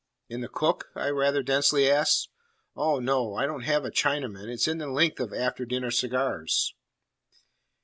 "In the cook?" I rather densely asked. "Oh, no! I don't have a Chinaman. It's in the length of after dinner cigars."